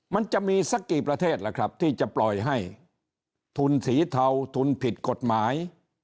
มันจะมีสักกี่ประเทศล่ะครับที่จะปล่อยให้ทุนสีเทาทุนผิดกฎหมาย